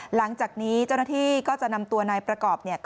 หลังจากนี้เจ้าหน้าที่ก็จะนำตัวนายประกอบ